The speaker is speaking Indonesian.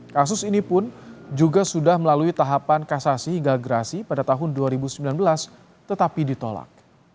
kasus ini pun juga sudah melalui tahapan kasasi hingga gerasi pada tahun dua ribu sembilan belas tetapi ditolak